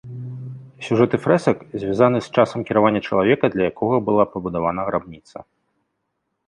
Сюжэты фрэсак звязаны з часам кіравання чалавека, для якога была пабудавана грабніца.